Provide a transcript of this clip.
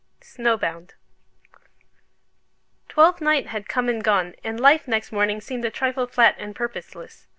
SNOWBOUND Twelfth night had come and gone, and life next morning seemed a trifle flat and purposeless.